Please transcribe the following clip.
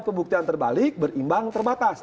kebuktian terbalik berimbang terbatas